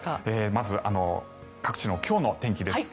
まず各地の今日の天気です。